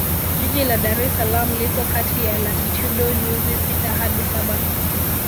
Jiji la Dar es Salaam lipo kati ya Latitudo nyuzi sita hadi saba